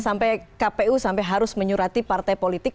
sampai kpu sampai harus menyurati partai politik